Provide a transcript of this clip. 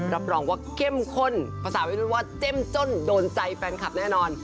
รับรองว่าเข้มข้นภาษาวัยรุ่นว่าเจ้มจ้นโดนใจแฟนคลับแน่นอน